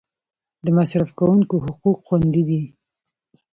د مصرف کونکو حقوق خوندي دي؟